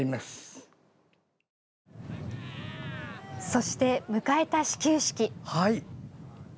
そして、迎えた始球式。